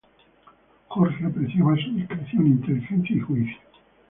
Jorge apreciaba su discreción, inteligencia y juicio.